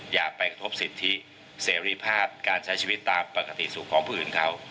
อย่าไปกระทบสิทธิเสรีภาพการใช้ชีวิตตามปกติสุขของผู้อื่นเขา